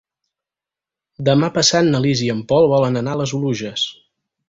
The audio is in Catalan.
Demà passat na Lis i en Pol volen anar a les Oluges.